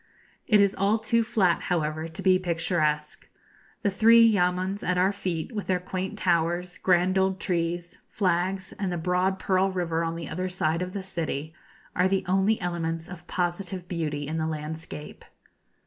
It is all too flat, however, to be picturesque. The three yamuns at our feet, with their quaint towers, grand old trees, flags, and the broad Pearl River on the other side of the city, are the only elements of positive beauty in the landscape.